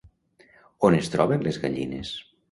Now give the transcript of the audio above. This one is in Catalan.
On es troben les gallines?